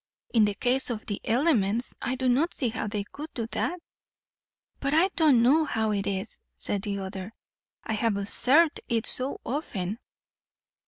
"In the case of the elements, I do not see how they could do that." "But I don't know how it is," said the other; "I have observed it so often."